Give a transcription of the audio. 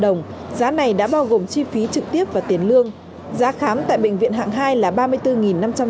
ba mươi tám bảy trăm linh đồng giá này đã bao gồm chi phí trực tiếp và tiền lương giá khám tại bệnh viện hạng hai là